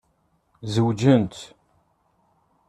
Zewǧent.